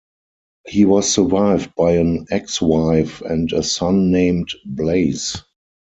He was survived by an ex-wife and a son named Blaise.